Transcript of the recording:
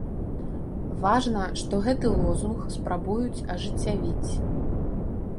Важна, што гэты лозунг спрабуюць ажыццявіць.